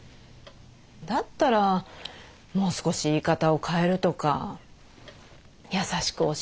だったらもう少し言い方を変えるとか優しく教えるとか。